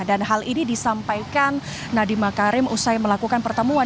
dan hal ini disampaikan nadiem makarim usai melakukan pertemuan